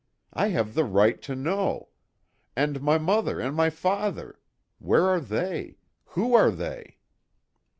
I have the right to know! And, my mother and my father where are they? Who are they?"